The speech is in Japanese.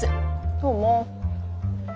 どうも。